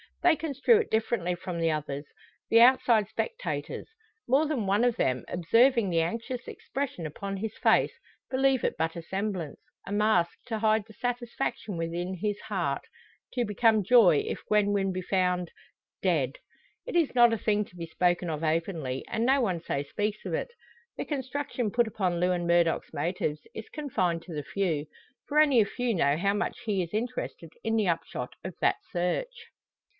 They construe it differently from the others the outside spectators. More than one of them, observing the anxious expression upon his face, believe it but a semblance a mask to hide the satisfaction within his heart to become joy if Gwen Wynn be found dead. It is not a thing to be spoken of openly, and no one so speaks of it. The construction put upon Lewin Murdock's motives is confined to the few; for only a few know how much he is interested in the upshot of that search.